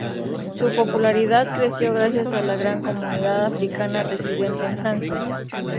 Su popularidad creció gracias a la gran comunidad africana residente en Francia.